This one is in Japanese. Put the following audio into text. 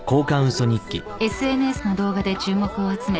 ［ＳＮＳの動画で注目を集め